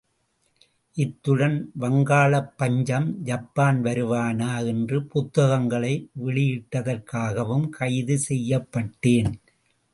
இத்துடன் வங்காளப் பஞ்சம் ஜப்பான் வருவானா? என்ற புத்தகங்களை வெளியிட்டதற்காகவும் கைது செய்யப்பட்டேன்.